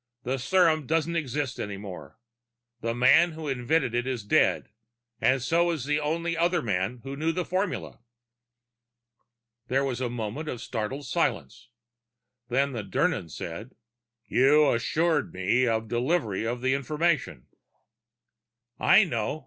"The serum doesn't exist any more. The man who invented it is dead, and so is the only other man who knew the formula." There was a moment of startled silence. Then the Dirnan said, "You assured me delivery of the information." "I know.